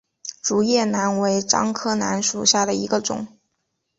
竹叶楠为樟科楠属下的一个种。